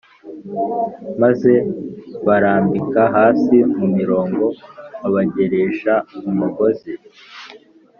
maze abarambika hasi mu mirongo abageresha umugozi